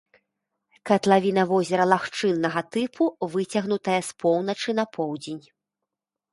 Катлавіна возера лагчыннага тыпу, выцягнутая з поўначы на поўдзень.